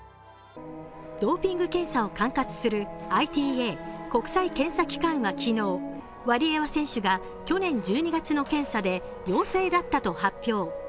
ドーピング検査を管轄するＩＴＡ＝国際検査機関は昨日、ワリエワ選手が去年１２月の検査で陽性だったと発表。